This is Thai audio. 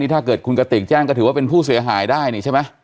ถ้าเกิดคุณกติกแจ้งก็ถือว่าเป็นผู้เสียหายได้นี่ใช่ไหม